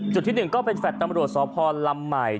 จุดที่๑ก็เป็นแฟลด์ตำรวจสภรรณ์ลำใหม่